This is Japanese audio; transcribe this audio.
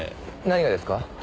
何がですか？